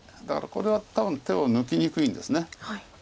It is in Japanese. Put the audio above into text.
だからこれは多分手を抜きにくいんです。